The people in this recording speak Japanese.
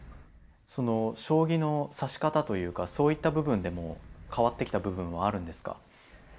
その将棋の指し方というかそういった部分でも変わってきた部分はあるんですか？